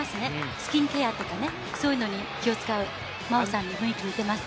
スキンケアとか、そういうのに気を使う麻緒さんに雰囲気が似ています。